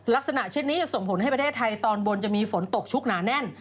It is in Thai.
ลักษณะเช่นนี้จะส่งผลให้ประเทศไทยตอนบนจะมีฝนตกชุกหนาแน่น